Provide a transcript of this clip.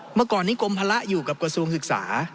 เมื่อก่อนนี้กรมภาระอยู่กับกระทรวงศึกษา